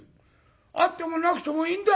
あってもなくてもいいんだよ！